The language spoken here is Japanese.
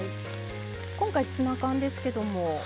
今回、ツナ缶ですけども。